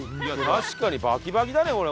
確かにバキバキだねこれ。